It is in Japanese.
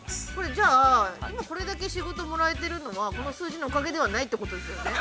◆じゃあ、今これだけ仕事もらえてるのはこの数字のおかげではないということですよね？